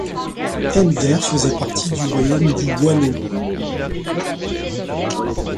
Nder faisait partie du royaume du Waalo.